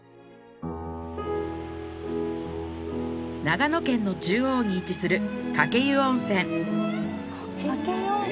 長野県の中央に位置する鹿教湯温泉